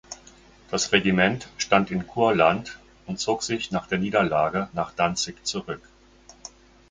Das Regiment stand in Kurland und zog sich nach der Niederlage nach Danzig zurück.